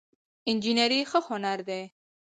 انجينري ښه هنر دی